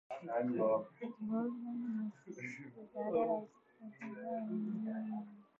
Broughan was regarded as being on the left-wing of the Labour Party.